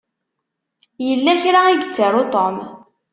Yella kra i yettaru Tom.